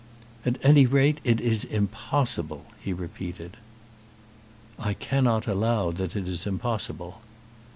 "At any rate it is impossible," he repeated. "I cannot allow that it is impossible."